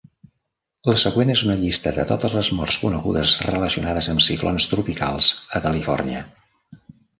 La següent és una llista de totes les morts conegudes relacionades amb ciclons tropicals a Califòrnia.